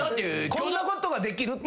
こんなことができるって。